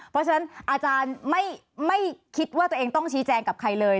เพราะฉะนั้นอาจารย์ไม่คิดว่าตัวเองต้องชี้แจงกับใครเลย